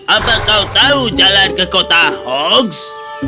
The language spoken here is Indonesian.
apa kau tahu jalan ke kota hoax